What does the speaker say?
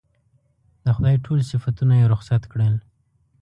د خدای ټول صفتونه یې رخصت کړل.